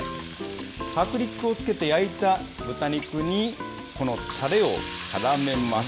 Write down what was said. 薄力粉をつけて焼いた豚肉に、このたれをからめます。